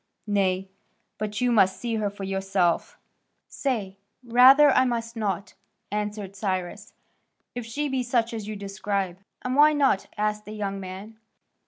Nay, but you must see her for yourself." "Say, rather, I must not," answered Cyrus, "if she be such as you describe." "And why not?" asked the young man.